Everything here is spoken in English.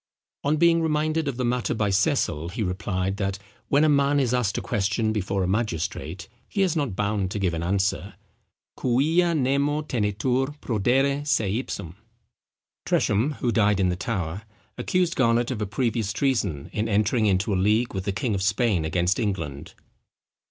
On being reminded of the matter by Cecil, he replied, that when a man is asked a question before a magistrate he is not bound to give an answer quia nemo tenetur prodere seipsum. Tresham, who died in the Tower, accused Garnet of a previous treason in entering into a league with the king of Spain against England.